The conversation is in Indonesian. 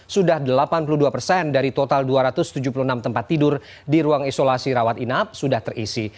sudah delapan puluh dua persen dari total dua ratus tujuh puluh enam tempat tidur di ruang isolasi rawat inap sudah terisi